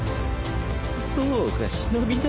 そうか忍だ。